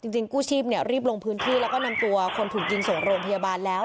จริงกู้ชีพรีบลงพื้นที่แล้วก็นำตัวคนถูกยิงส่งโรงพยาบาลแล้ว